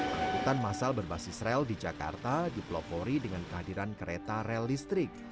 angkutan masal berbasis rel di jakarta dipelopori dengan kehadiran kereta rel listrik